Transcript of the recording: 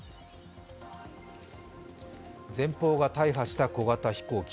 前方が大破した小型飛行機。